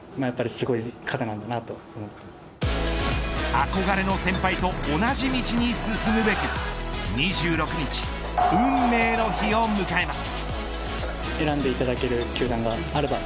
憧れの先輩と同じ道に進むべく２６日、運命の日を迎えます。